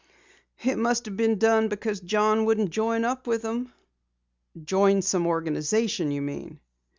"It must have been done because John wouldn't join up with them." "Join some organization, you mean?"